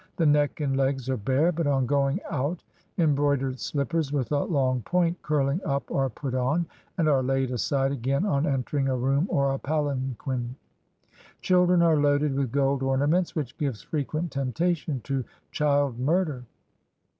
The neck and legs are bare; but on going out, embroidered slippers with a long point curling up are put on, and are laid aside again on entering a room or a palanquin. Children are loaded with gold ornaments, which gives frequent temptation to child murder.